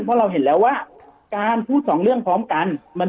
เพราะเราเห็นแล้วว่าการพูดสองเรื่องพร้อมกัน